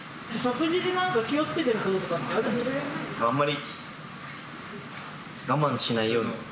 あんまり我慢しないように。